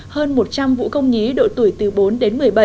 hơn một trăm linh vũ công nhí độ tuổi từ bốn đến một mươi bảy